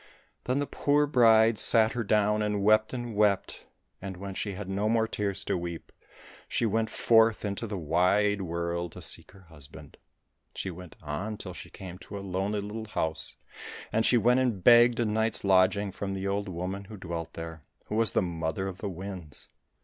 Then the poor bride sat her down and wept and wept, and when she had no more tears to weep, she went forth into the wide world to seek her husband. She went on till she came to a lonely little house, and she went and begged a night's lodging from the old woman who dwelt there, who was the Mother of the Winds.